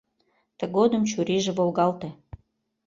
Тыгодым чурийже волгалте.